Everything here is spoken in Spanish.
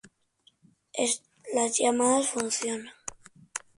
Esto se consigue utilizando las llamadas funciones hash criptográficas.